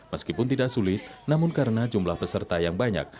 meskipun tidak sulit namun karena jumlah peserta yang banyak